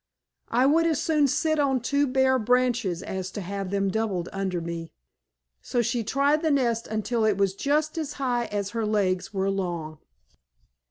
I would as soon sit on two bare branches as to have them doubled under me." So she tried the nest until it was just as high as her legs were long.